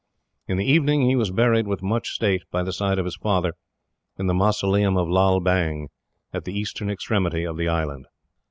In the evening he was buried with much state, by the side of his father, in the mausoleum of Lal Bang, at the eastern extremity of the island.